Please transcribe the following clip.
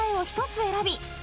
１つ選び